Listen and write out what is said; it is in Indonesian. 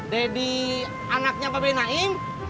daddy anaknya pabai naim